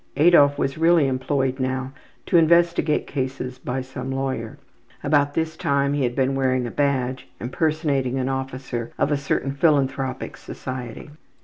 Adolf was really employed now to investigate cases by some lawyer. About this time he had been wearing a badge, impersonating an officer of a certain philanthropic society.